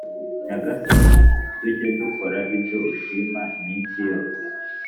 Nyagasani tujye dukora ibyo ushima iminsi yos